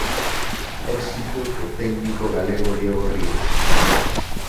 Éxito do técnico galego Diego Ríos.